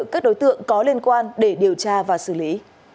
các đối tượng có liên quan để điều tra và xử lý